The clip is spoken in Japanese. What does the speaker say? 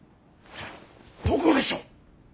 どこでしょう。